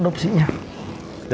mereka kembali mendapatkan hak adopsinya